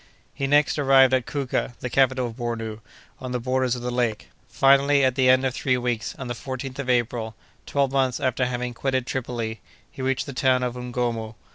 He next arrived at Kouka, the capital of Bornou, on the borders of the lake. Finally, at the end of three weeks, on the 14th of April, twelve months after having quitted Tripoli, he reached the town of Ngornou.